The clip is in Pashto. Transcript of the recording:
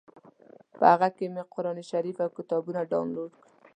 په هغه کې مې قران شریف او کتابونه ډاونلوډ کړل.